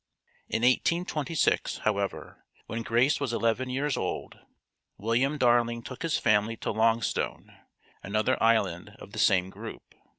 In 1826, however, when Grace was eleven years old, William Darling took his family to Longstone, another island of the same group.